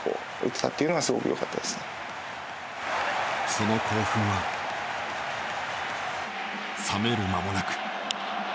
その興奮は冷める間もなく。